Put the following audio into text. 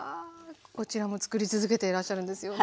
こちらもつくり続けていらっしゃるんですよね。